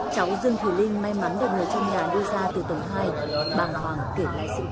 cháu dương thủy linh may mắn được người trong nhà đưa ra từ tầng hai bằng hoàng kiểm tra sự việc